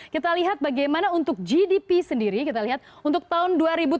kita lihat bagaimana untuk gdp sendiri kita lihat untuk tahun dua ribu dua puluh